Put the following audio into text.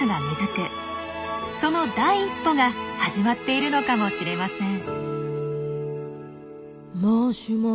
その第一歩が始まっているのかもしれません。